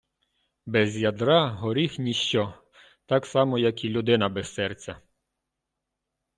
Без ядра горіх ніщо, так само як і людина без серця.